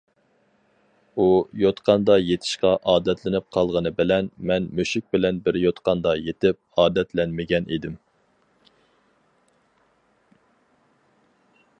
ئۇ يوتقاندا يېتىشقا ئادەتلىنىپ قالغىنى بىلەن، مەن مۈشۈك بىلەن بىر يوتقاندا يېتىپ ئادەتلەنمىگەن ئىدىم.